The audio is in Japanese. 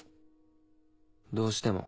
どうしても。